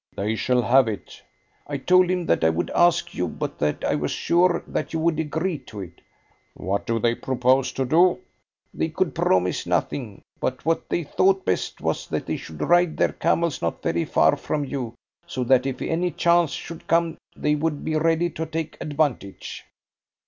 "They shall have it." "I told him that I would ask you, but that I was sure that you would agree to it." "What do they propose to do?" "They could promise nothing, but what they thought best was that they should ride their camels not very far from you, so that if any chance should come they would be ready to take advantage."